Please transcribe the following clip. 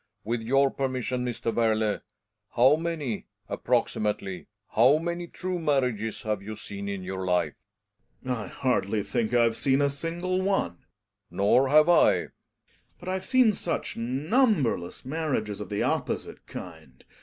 With your permission, Mr. Werle — how many — approxi mately — how many true marriages have you seen in your life ? Gregers. I hardly think I've seen a single one . Reeling. Nor have I. Gregers. But I have seen such numberless marriages of the opposite kind.